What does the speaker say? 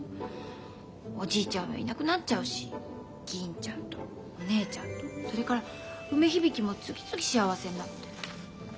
おじいちゃんはいなくなっちゃうし銀ちゃんとお姉ちゃんとそれから梅響も次々幸せになって。